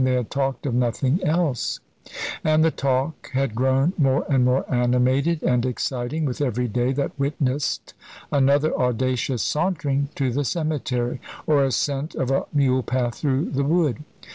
They had talked of nothing else; and the talk had grown more and more animated and exciting with every day that witnessed another audacious sauntering to the cemetery, or ascent of a mule path through the wood.